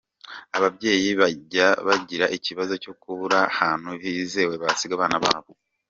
Ababyeyi bajyaga bagira ikibazo cyo kubura hantu hizewe basiga abana babo.